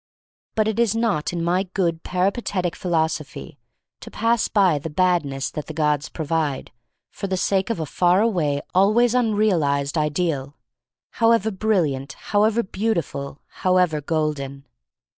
But it is not in my good peripatetic philosophy to pass by the Badness that the gods provide for the sake of a far away, always unrealized ideal, however brilliant, however beautiful, however golden.